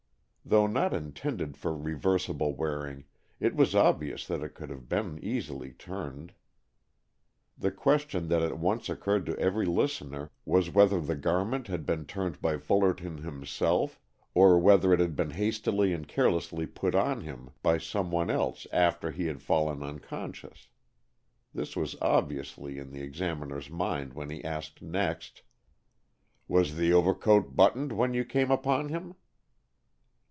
Though not intended for reversible wearing, it was obvious that it could have been easily turned. The question that at once occurred to every listener was whether the garment had been turned by Fullerton himself, or whether it had been hastily and carelessly put on him by some one else after he had fallen unconscious. This was obviously in the examiner's mind when he asked next, "Was the overcoat buttoned when you came upon him?"